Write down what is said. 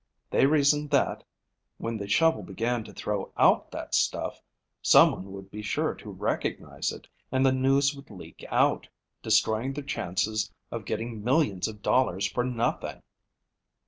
They reasoned that, when the shovel began to throw out that stuff, someone would be sure to recognize it, and the news would leak out, destroying their chances of getting millions of dollars for nothing."